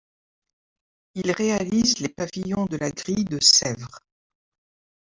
Il réalise les pavillons de la grille de Sèvres.